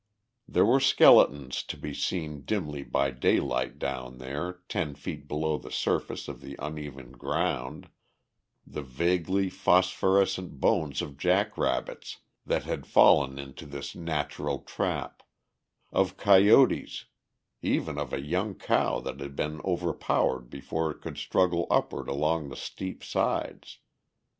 There were skeletons to be seen dimly by daylight down there, ten feet below the surface of the uneven ground, the vaguely phosphorescent bones of jack rabbits that had fallen into this natural trap, of coyotes, even of a young cow that had been overpowered before it could struggle upward along the steep sides.